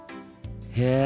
へえ。